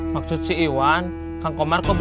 maksud si iwan kang komar kok